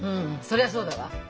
そりゃそうだわ。